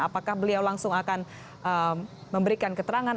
apakah beliau langsung akan memberikan keterangan